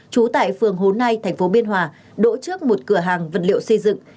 trú tại phường hồ nai thành phố biên hòa đổ trước một cửa hàng vật liệu xây dựng